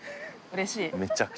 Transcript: うれしい？